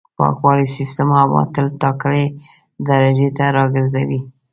پاکوالي سیستم هوا تل ټاکلې درجې ته راګرځوي.